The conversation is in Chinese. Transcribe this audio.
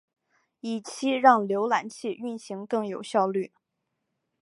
以期让浏览器运行更有效率。